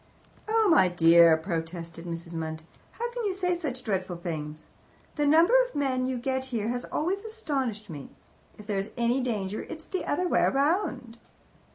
"Oh, my dear!" protested Mrs. Munt. "How can you say such dreadful things! The number of men you get here has always astonished me. If there is any danger it's the other way round."